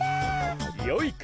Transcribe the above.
よいか！